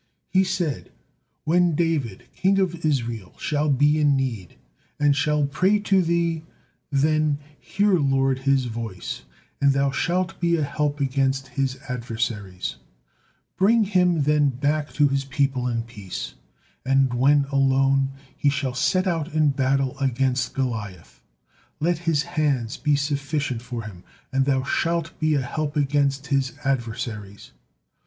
He said: "When David, king of Israel, shall be in need, and shall pray to Thee, then, 'Hear, Lord, his voice, and Thou shalt be an help against his adversaries,' 'bring him' then back 'to his people' in peace; and when alone he shall set out into battle against Goliath, 'let his hands be sufficient for him, and Thou shalt be an help against his adversaries.'"